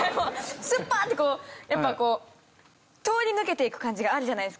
すっぱ！ってこうやっぱこう通り抜けていく感じがあるじゃないですか